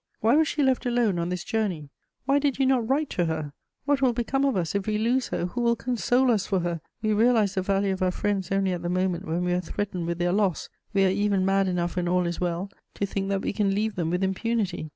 Why was she left alone on this journey? Why did you not write to her? What will become of us if we lose her? Who will console us for her? We realize the value of our friends only at the moment when we are threatened with their loss. We are even mad enough, when all is well, to think that we can leave them with impunity.